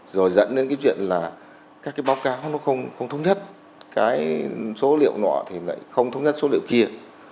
rồi dẫn đến cái chuyện là các cái báo cáo nó không thống nhất cái số liệu nọ thì lại không thống nhất số liệu kia